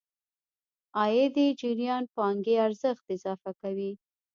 عايدي جريان پانګې ارزښت اضافه کوو.